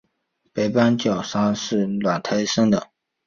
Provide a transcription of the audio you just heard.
白斑角鲨是卵胎生的。